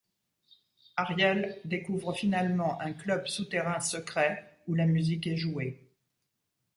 Ariel découvre finalement un club souterrain secret où la musique est jouée.